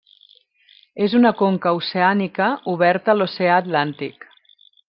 És una conca oceànica oberta a l'oceà Atlàntic.